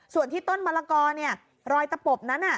ส่วนที่ต้นมะละกอเนี่ยรอยตะปบนั้น